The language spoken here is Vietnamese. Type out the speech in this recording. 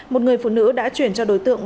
một người phụ nữ đã chuyển cho đối tượng